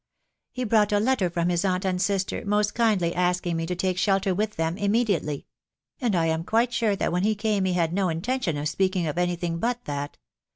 tc He brought a letter from his aunt and sister, most kindly asking me to take shelter with them immediately ;.... and I am quite sure that when he came he had no intention of speak ing of any thing but that.